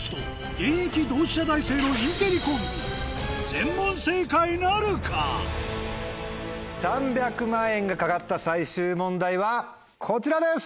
全問正解なるか⁉３００万円が懸かった最終問題はこちらです！